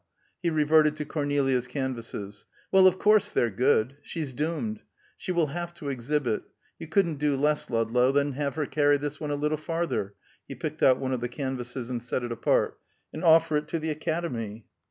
He reverted to Cornelia's canvases. "Why, of course they're good. She's doomed. She will have to exhibit. You couldn't do less, Ludlow, than have her carry this one a little farther" he picked out one of the canvases and set it apart "and offer it to the Academy."